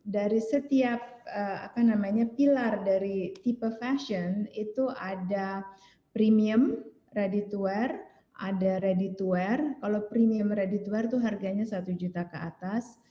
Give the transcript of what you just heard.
dari setiap pilar dari tipe fashion itu ada premium ready to wear ada ready to wear kalau premium ready to wear itu harganya satu juta ke atas